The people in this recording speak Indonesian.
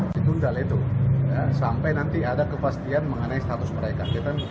ditundal itu sampai nanti ada kepastian mengenai status mereka